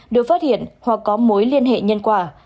được phát hiện hoặc có mối liên hệ nhân quả